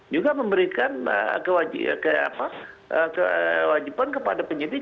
juga memberikan kewajiban kepada penyidik